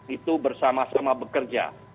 itu bersama sama bekerja